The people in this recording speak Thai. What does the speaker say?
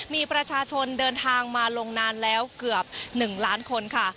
มีประชาชนเดินทางมาลงนานแล้วเกือบ๑ล้านคนค่ะ